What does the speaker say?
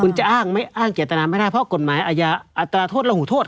คุณจะอ้างไม่อ้างเจตนาไม่ได้เพราะกฎหมายอาญาอัตราโทษระหูโทษ